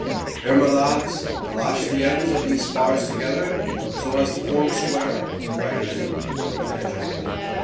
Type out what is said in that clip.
"Here, my lads, lash the ends of these spars together, so as to form a square," cried Hemming, working energetically.